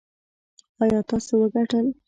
ایا تاسو وګټل؟